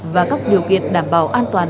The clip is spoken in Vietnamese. và các điều kiện đảm bảo an toàn